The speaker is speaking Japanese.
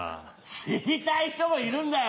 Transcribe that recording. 知りたい人もいるんだよ。